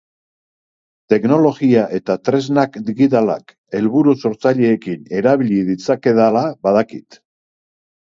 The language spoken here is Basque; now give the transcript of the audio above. Teknologia eta tresnak digitalak helburu sortzaileekin erabili ditzakedala badakit.